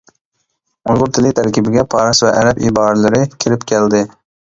ئۇيغۇر تىلى تەركىبىگە پارس ۋە ئەرەب ئىبارىلىرى كىرىپ كەلدى.